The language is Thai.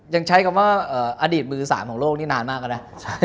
ยังใช้คำว่าอดีตมือ๓ของโลกนี่นานมากแล้วนะ